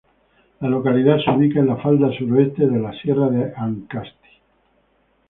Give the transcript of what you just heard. La localidad se ubica en la falda sudoeste de la Sierra de Ancasti.